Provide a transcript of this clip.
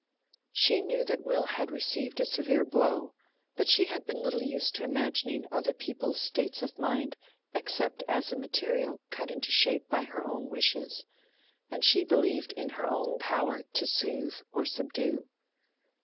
She knew that Will had received a severe blow, but she had been little used to imagining other people's states of mind except as a material cut into shape by her own wishes; and she believed in her own power to soothe or subdue.